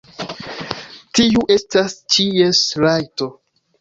Tiu estas ĉies rajto.